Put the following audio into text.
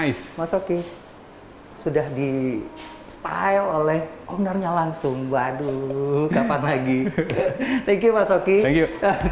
ice mas oki sudah di style oleh ownernya langsung waduh kapan lagi thank you mas oki